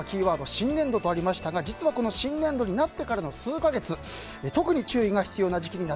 新年度とありましたが実はこの新年度になってからの数か月特に注意が必要な時期です。